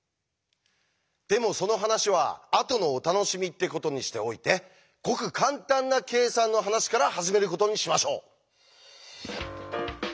でもその話はあとのお楽しみってことにしておいてごく簡単な計算の話から始めることにしましょう。